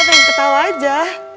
pengen ketawa aja